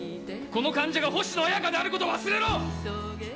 この患者が星野彩佳であることは忘れろ！